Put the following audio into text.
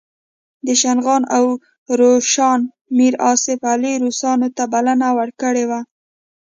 د شغنان او روشان میر آصف علي روسانو ته بلنه ورکړې وه.